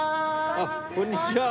あっこんにちは。